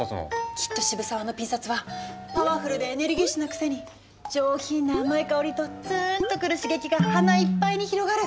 きっと渋沢のピン札はパワフルでエネルギッシュなくせに上品な甘い香りとつーんとくる刺激が鼻いっぱいに広がる。